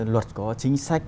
luật có chính sách